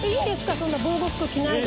そんな防護服着ないで。